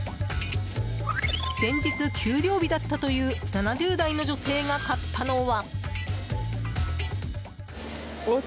前日給料日だったという７０代の女性が買ったのは。